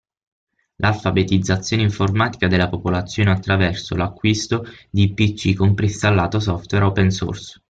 L'alfabetizzazione informatica della popolazione attraverso l'acquisto di pc con preinstallato software open source.